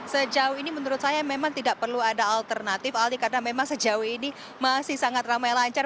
sejauh ini menurut saya memang tidak perlu ada alternatif aldi karena memang sejauh ini masih sangat ramai lancar